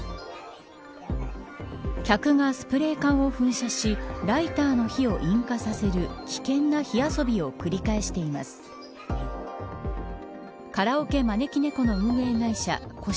客がスプレー缶を噴射しライターの火を引火させる危険な火遊びを繰り返しています。